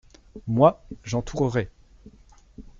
Moi, j’entourerai.